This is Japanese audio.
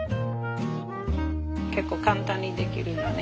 結構簡単にできるのね。